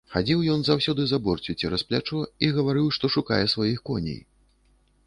Хадзіў ён заўсёды з аброццю цераз плячо і гаварыў, што шукае сваіх коней.